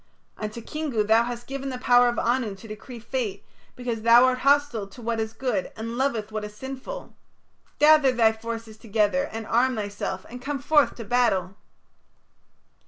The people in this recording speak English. Unto Kingu thou hast given the power of Anu to decree fate, because thou art hostile to what is good and loveth what is sinful. Gather thy forces together, and arm thyself and come forth to battle."